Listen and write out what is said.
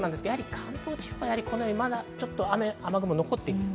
関東地方はまだちょっと雨雲、残っています。